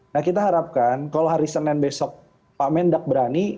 nah kita harapkan kalau hari senin besok pak mendak berani